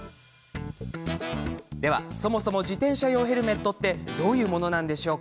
では、そもそも自転車用ヘルメットってどういうものなんでしょう？